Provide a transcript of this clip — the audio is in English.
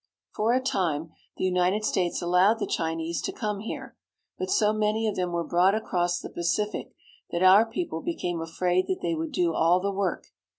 For a time the United States allowed the Chinese to come here ; but so many of them were brought across the Pacific that our people became afraid that they would do all the work.